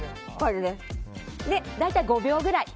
大体５秒ぐらい。